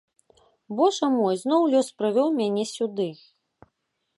Божа мой, зноў лёс прывёў мяне сюды!